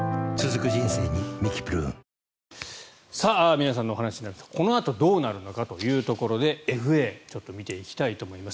皆さんのお話なんですがこのあとどうなるのかというところでＦＡ、見ていきたいと思います。